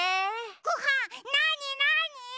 ごはんなになに？